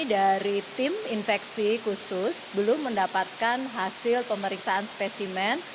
dari tim infeksi khusus belum mendapatkan hasil pemeriksaan spesimen